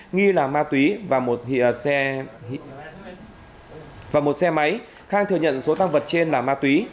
nghi là ma túy và một xe máy khang thừa nhận số tăng vật trên là ma túy